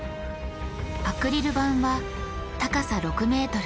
アクリル板は高さ６ｍ幅２．５ｍ